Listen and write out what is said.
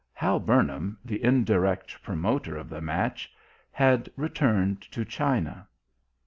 Hal Burnham, the indirect promoter of the match, had returned to China.